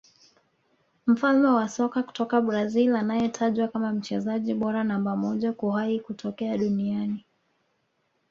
Mfalme wa soka kutoka Brazil anayetajwa kama mchezaji bora namba moja kuwahi kutokea duniani